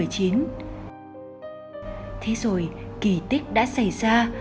thế rồi kỳ tích đã xảy ra